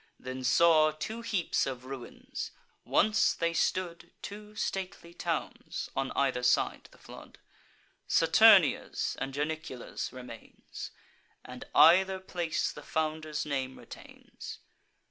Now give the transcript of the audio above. Then saw two heaps of ruins, (once they stood Two stately towns, on either side the flood,) Saturnia's and Janiculum's remains; And either place the founder's name retains.